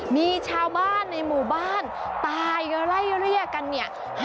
มีชาวบ้านในหมู่บ้านตายไล่เรียกกันเนี่ย